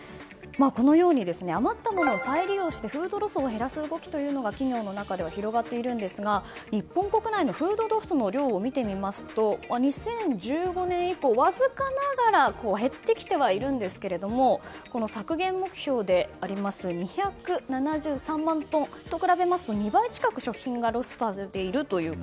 このように余ったものを再利用してフードロスの動きが企業の中では広がっていますが日本国内で見てみますと２０１５年以降、わずかながら減ってきているんですけども削減目標であります２７３万トンと比べると２倍近く食品がロスされていると。